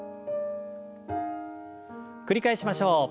繰り返しましょう。